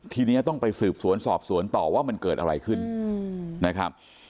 ทีนี้ต้องไปสืบสวนสอบสวนต่อว่ามันเกิดอะไรขึ้นนะครับ